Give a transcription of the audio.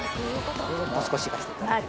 もう少し行かせていただきます。